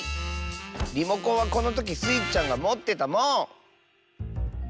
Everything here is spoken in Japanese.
リモコンはこのときスイちゃんがもってたもん！